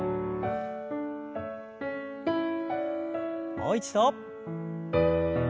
もう一度。